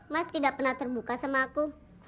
mas tidak pernah terbuka sama aku